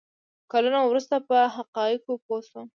کلونه وروسته په حقایقو پوه شوم.